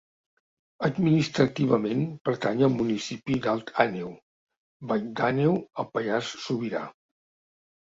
Administrativament pertany al municipi d'Alt Àneu, Vall d'Àneu al Pallars Sobirà.